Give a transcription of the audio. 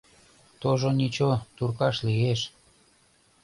Тожо ничо, туркаш лиеш.